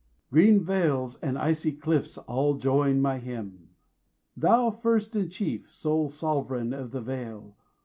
Green vales and icy cliffs, all join my Hymn. Thou first and chief, sole sovereign of the Vale!